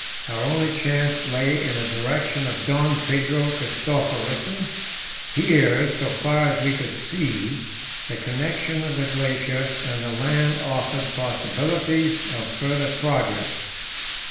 Our only chance lay in the direction of Don Pedro Christophersen; here, so far as we could see, the connection of the glacier and the land offered possibilities of further progress.